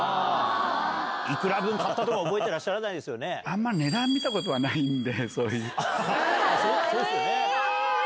いくら分買ったとか覚えてらあんまり値段見たことないんで。